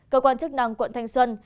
cơ quan chức năng quận thanh xuân